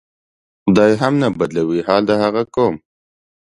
خدای هم نه بدلوي حال د هغه قوم